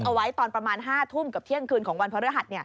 เอาไว้ตอนประมาณ๕ทุ่มกับเที่ยงคืนของวันพระฤหัส